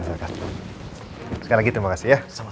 sekarang gitu terima kasih ya